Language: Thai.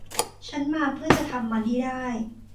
ฉันมาเพื่อจะทำมันให้ได้